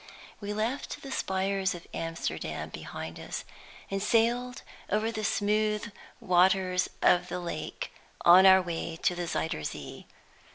We left the spires of Amsterdam behind us, and sailed over the smooth waters of the lake on our way to the Zuyder Zee.